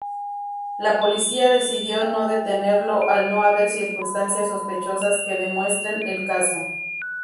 La Policía decidió no detenerlo al no haber circunstancias sospechosas que demuestren el caso.